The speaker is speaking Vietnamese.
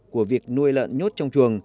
của việc nuôi lợn nhốt trong chuồng